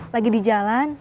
lagi di jalan